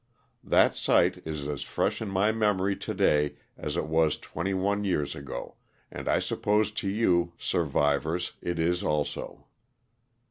That sight is as fresh in my memory today as it was twenty one years ago, and I suppose to you, survivors, it is also.